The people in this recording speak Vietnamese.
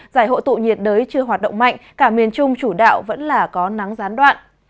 giải hội tụ nhiệt đới chưa hoạt động mạnh cả miền trung chủ đạo vẫn là có nắng gián đoạn